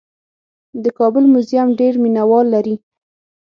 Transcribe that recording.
د کابل موزیم ډېر مینه وال لري.